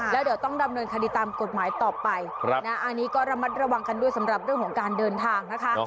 แล้วเดี๋ยวต้องดำเนินคดีตามกฎหมายต่อไปอันนี้ก็ระมัดระวังกันด้วยสำหรับเรื่องของการเดินทางนะคะ